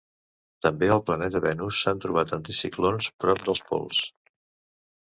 També al planeta Venus s'han trobat anticiclons prop dels pols.